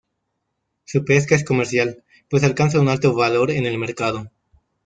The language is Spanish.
Su pesca es comercial, pues alcanza un alto valor en el mercado.